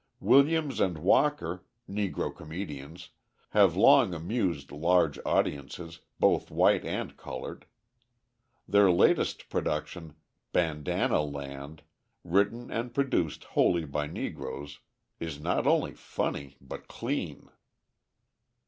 Williams and Walker, Negro comedians, have long amused large audiences, both white and coloured. Their latest production, "Bandanna Land," written and produced wholly by Negroes, is not only funny, but clean.